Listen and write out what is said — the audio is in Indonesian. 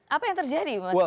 apa yang terjadi